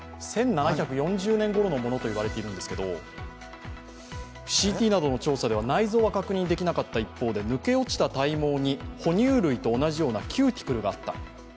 １７４０年ごろのものといわれているんですけれどＣＴなどの調査では内臓は確認できなかった一方で抜け落ちた体毛に哺乳類と同じようなキューティクルがあった。